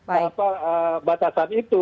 apa batasan itu